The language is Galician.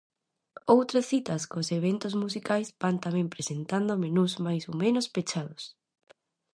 Outras citas cos eventos musicais van tamén presentando menús máis ou menos pechados.